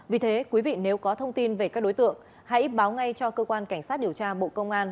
vì thế quý vị nếu có thông tin về các đối tượng hãy báo ngay cho cơ quan cảnh sát điều tra bộ công an